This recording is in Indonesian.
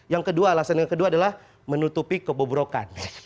yang kedua alasan yang kedua adalah menutupi kebobrokan